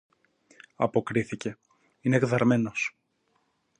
αποκρίθηκε, είναι γδαρμένος